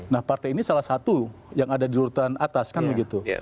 nah partai ini salah satu yang ada di lurutan atas kan begitu